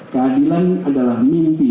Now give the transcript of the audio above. keadilan adalah mimpi